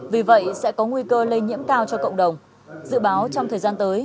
vì vậy sẽ có nguy cơ lây nhiễm cao cho cộng đồng dự báo trong thời gian tới